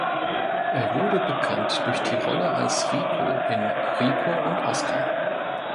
Er wurde bekannt durch die Rolle als Rico in Rico und Oskar.